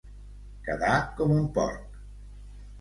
Quedar com un porc.